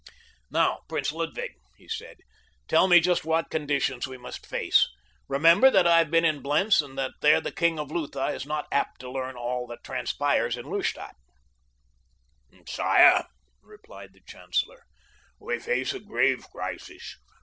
"Now, Prince Ludwig," he said, "tell me just what conditions we must face. Remember that I have been at Blentz and that there the King of Lutha is not apt to learn all that transpires in Lustadt." "Sire," replied the chancellor, "we face a grave crisis.